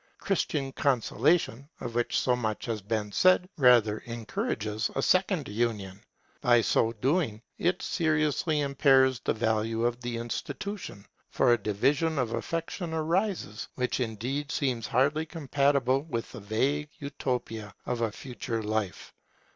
Christian consolation, of which so much has been said, rather encourages a second union. By so doing it seriously impairs the value of the institution; for a division of affection arises, which indeed seems hardly compatible with the vague utopia of a future life.